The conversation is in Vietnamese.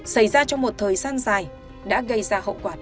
xảy ra trong một thời gian dài đã gây ra hậu quả